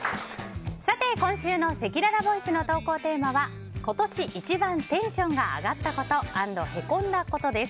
今週のせきららボイスの投稿テーマは今年一番テンションが上がったこと＆へこんだことです。